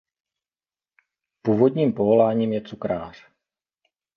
Původním povoláním je cukrář.